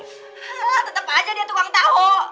tetep aja dia tukang tahu